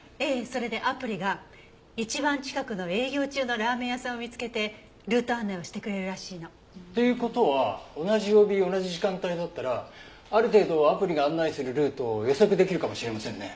それでアプリが一番近くの営業中のラーメン屋さんを見つけてルート案内をしてくれるらしいの。という事は同じ曜日同じ時間帯だったらある程度アプリが案内するルートを予測できるかもしれませんね。